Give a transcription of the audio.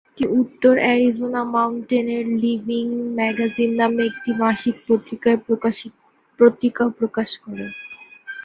এটি উত্তর অ্যারিজোনার মাউন্টেন লিভিং ম্যাগাজিন নামে একটি মাসিক পত্রিকাও প্রকাশ করে।